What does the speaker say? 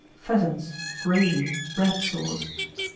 Pheasants, gravy, bread sauce.